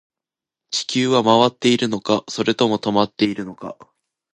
地球は回っているのか、それとも止まっているのか